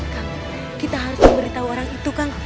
kang kita harus memberitahu orang itu kang